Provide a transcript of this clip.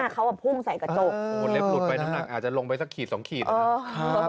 เขาพุ่งใส่กระจกโอ้โหเล็บหลุดไปน้ำหนักอาจจะลงไปสักขีด๒ขีดนะครับ